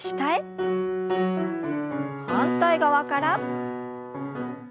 反対側から。